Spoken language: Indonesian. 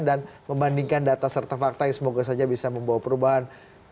dan membandingkan data serta fakta yang semoga saja bisa membawa perubahan